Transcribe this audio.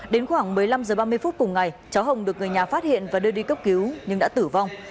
đến khoảng một mươi năm h ba mươi phút cùng ngày cháu hồng được người nhà phát hiện và đưa đi cấp cứu nhưng đã tử vong